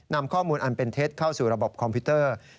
นำข้อมูลอันเป็นเท็จเข้าสู่ระบบคอมพิวเตอร์